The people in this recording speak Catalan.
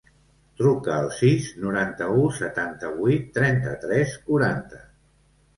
Truca al sis, noranta-u, setanta-vuit, trenta-tres, quaranta.